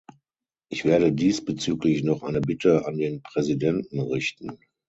Ich werde diesbezüglich noch eine Bitte an den Präsidenten richten.